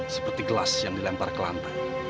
seperti gelas yang dilempar ke lantai